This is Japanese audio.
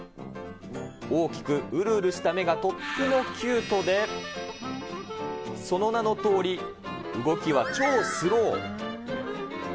大きくうるうるした目がとってもキュートで、その名のとおり、動きは超スロー。